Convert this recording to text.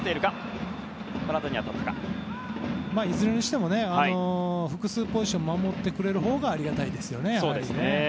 いずれにしても複数ポジションを守ってくれるほうがありがたいですよね。